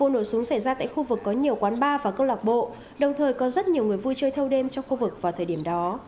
vụ nổ súng xảy ra tại khu vực có nhiều quán bar và câu lạc bộ đồng thời có rất nhiều người vui chơi thâu đêm trong khu vực vào thời điểm đó